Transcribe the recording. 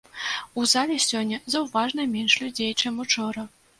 У залі сёння заўважна менш людзей, чым учора.